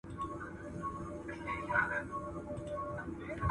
تعلیم اقتصاد پیاوړی کوي.